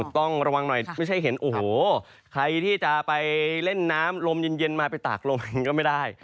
ต้องระวังหน่อยไม่ใช่เห็นโอ้โหใครที่จะไปเล่นน้ำลมเย็นมาไปตากลมก็ไม่ได้